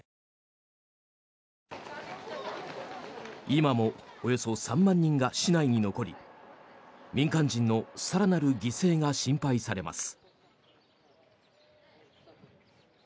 今もおよそ３万人が市内に残り民間人の更なる犠牲が心配されます。